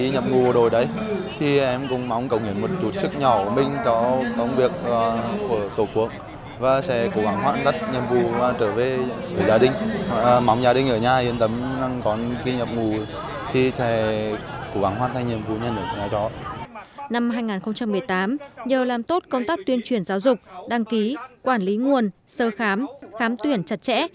năm hai nghìn một mươi tám nhờ làm tốt công tác tuyên truyền giáo dục đăng ký quản lý nguồn sơ khám khám tuyển chặt chẽ